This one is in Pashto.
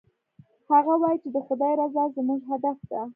هغه وایي چې د خدای رضا زموږ هدف ده